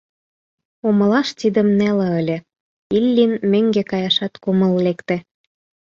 Умылаш тидым неле ыле, Иллин мӧҥгӧ каяшат кумыл лекте.